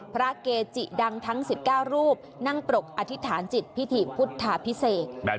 พระเกจิดังทั้ง๑๙รูปนั่งปรกอธิษฐานจิตพิธีพุทธาพิเศษ